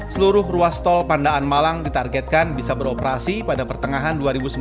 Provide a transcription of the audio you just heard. seluruh ruas tol pandaan malang ditargetkan bisa beroperasi pada pertengahan dua ribu sembilan belas